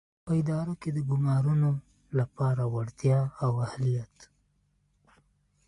په اداره کې د ګومارنو لپاره وړتیا او اهلیت.